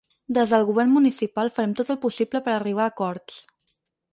Des del govern municipal farem tot el possible per a arribar a acords.